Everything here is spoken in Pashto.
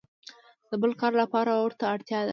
د بل کار لپاره ورته اړتیا ده.